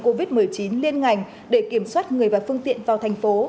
covid một mươi chín liên ngành để kiểm soát người và phương tiện vào thành phố